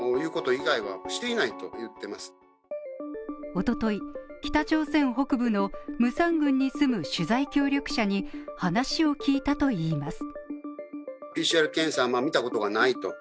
一昨日、北朝鮮北部の茂山郡に住む取材協力者に話を聞いたといいます。